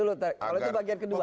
oh itu bagian kedua